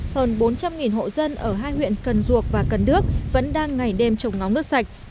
hơn bốn trăm linh hộ dân ở hai huyện cần duộc và cần đước vẫn đang ngày đêm trồng ngóng nước sạch